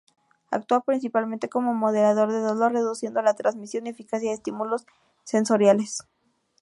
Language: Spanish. Actúa principalmente como moderador de dolor, reduciendo la trasmisión y eficacia de estímulos sensoriales.